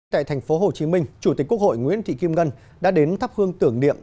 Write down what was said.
tại thành phố hồ chí minh chủ tịch quốc hội nguyễn thị kim ngân đã đến thắp hương tưởng niệm